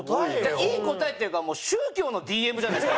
いい答えっていうか宗教のＤＭじゃないですか。